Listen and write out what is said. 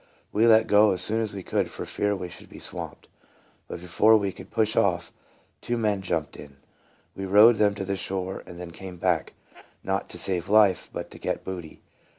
We let go as soon as we could, for fear we should be swamped; but before we could push off two men jumped in. We rowed them to the shore and then came back, not to save life, but to get booty.